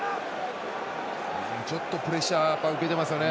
ちょっとプレッシャー受けてますよね。